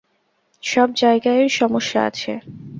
সব জায়গায়ই সমস্যা আছে।